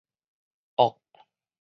難